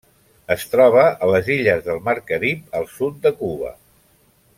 Es troba a les illes del Mar Carib al sud de Cuba.